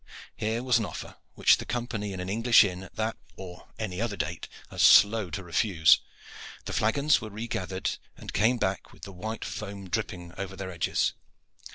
Here was an offer which the company in an English inn at that or any other date are slow to refuse. The flagons were re gathered and came back with the white foam dripping over their edges.